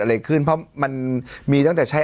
อะไรขึ้นเพราะมันมีตั้งแต่ใช้